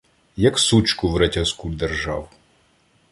Як сучку, в ретязку держав.